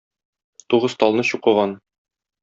Тугыз талны чукыган